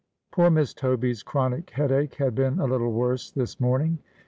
Poor Miss Toby's chronic headache had been a little worse this morning.